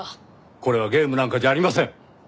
これはゲームなんかじゃありません！